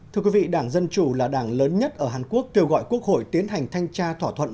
thưa quý vị đảng dân chủ là đảng lớn nhất ở hàn quốc kêu gọi quốc hội tiến hành thanh tra thỏa thuận